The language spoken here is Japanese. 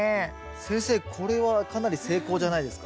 先生これはかなり成功じゃないですか？